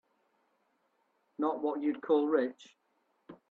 Not what you'd call rich.